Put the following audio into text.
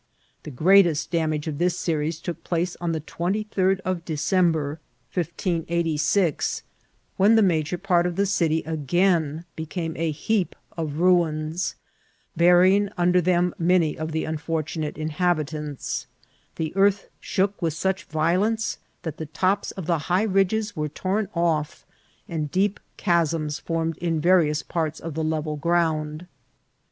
The greatest dam age of this series took place on the 23d of December^ 266 INCIDBMTt OF TEATKL. 1566, when the major part of the city again became a betp c^ ruins^ burying under them many of the nnfor tnnate inhabitants ; the earth diook with such yiolence diat the tops of the high ridges were torn off, and deep chasms formed in yarious parts o( the level ground.